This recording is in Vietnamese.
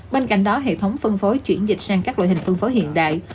bên cạnh đó hệ thống phân phối chuyển dịch sang các loại hình phân phối hiện đại